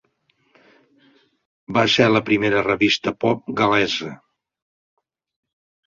Va ser la primera revista pop gal·lesa.